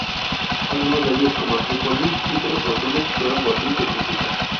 Algunos de ellos, como Trípoli, Chipre o Túnez, fueron botín de conquista.